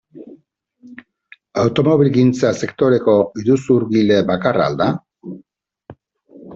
Automobilgintza sektoreko iruzurgile bakarra al da?